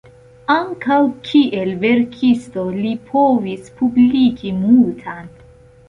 Ankaŭ kiel verkisto li povis publikigi multan.